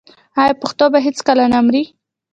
آیا پښتو به هیڅکله نه مري؟